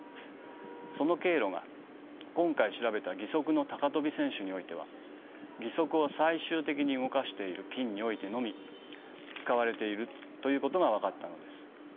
その経路が今回調べた義足の高跳び選手においては義足を最終的に動かしている筋においてのみ使われているということが分かったのです。